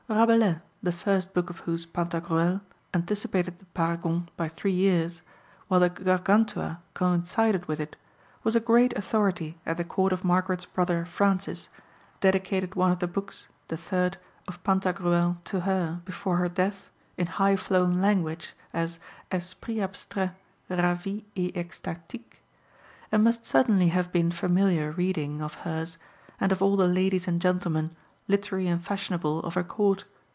Rabelais, the first book of whose Pantagruel anticipated the Paragon by three years, while the Gargantua coincided with it, was a great authority at the Court of Margaret's brother Francis, dedicated one of the books (the third) of Pantagruel to her, before her death, in high flown language, as esprit abstrait, ravy et ecstatic, and must certainly have been familiar reading of hers, and of all the ladies and gentlemen, literary and fashionable, of her Court.